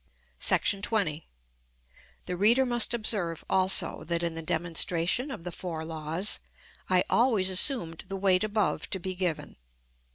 § XX. The reader must observe, also, that, in the demonstration of the four laws, I always assumed the weight above to be given.